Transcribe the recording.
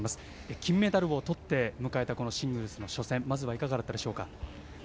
金メダルを取って迎えたこのシングルスの初戦まずはいかがだったでしょうか？